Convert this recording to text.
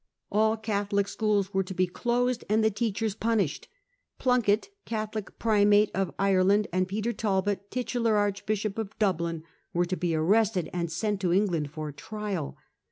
All Catholic schools were to be closed, and the teachers punished. Plunket, Catholic primate of Ireland, and Peter Talbot, titular archbishop of Dublin, were to be arrested and sent to England for trial.